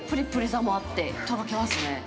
さもあって、とろけますね。